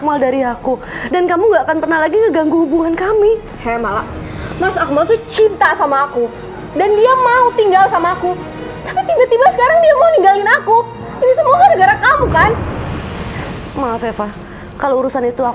maaf eva kalau urusan itu aku